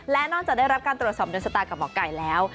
และนอกจากได้รับการตรวจสอบโดนชะตากับหมอไก่แล้ว